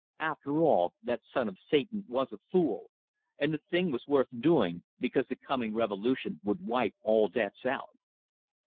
After all, that son of Satan was a fool, and the thing was worth doing, because the coming revolution would wipe all debts out.